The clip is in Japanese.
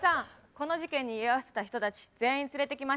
この事件に居合わせた人たち全員連れてきました。